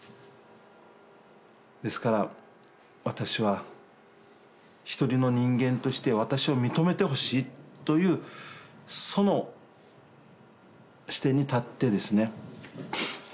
ですから私は一人の人間として私を認めてほしいというその視点に立ってですね